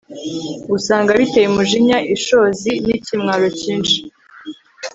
usanga biteye umujinya, ishozi n'ikimwaro cyinshi